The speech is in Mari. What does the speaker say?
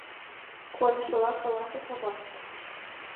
— куанышыла каласыш авашт.